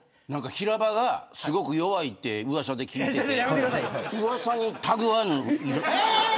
平場がすごく弱いってうわさで聞いていてうわさにたぐわぬ。